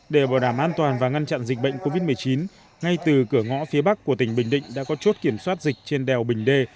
để bảo đảm an toàn và ngăn chặn dịch bệnh covid một mươi chín ngay từ cửa ngõ phía bắc của tỉnh bình định đã có chốt kiểm soát dịch trên đèo bình đê